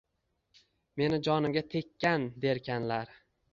Meni jonimga tekkan, derkanlar.